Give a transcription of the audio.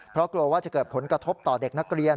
เพราะกลัวว่าจะเกิดผลกระทบต่อเด็กนักเรียน